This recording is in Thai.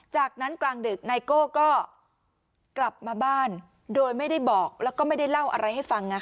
จากนั้นกลางดึกไนโก้ก็กลับมาบ้านโดยไม่ได้บอกแล้วก็ไม่ได้เล่าอะไรให้ฟัง